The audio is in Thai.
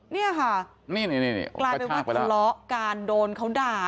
นี่ค่ะกลายเป็นวัดล้อการโดนเขาด่า